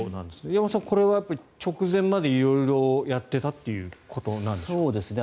山本さんこれは直前まで色々やっていたということなんでしょうか。